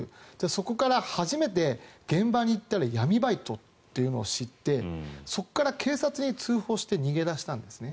そこから初めて現場に行ったら闇バイトというのを知ってそこから警察に通報して逃げ出したんですね。